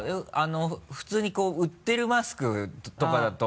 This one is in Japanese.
普通に売ってるマスクとかだと？